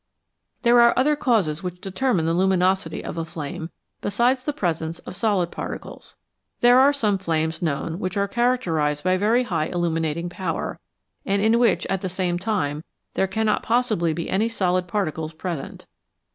There are other causes which determine the luminosity of a flame besides the presence of solid particles. There are some flames known which are characterised by very high illuminating power, and in which at the same time there cannot possibly be any solid particles present.